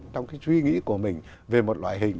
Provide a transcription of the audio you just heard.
trong cái suy nghĩ của mình về một loại hình